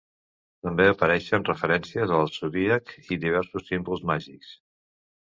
També apareixen referències al zodíac i diversos símbols màgics.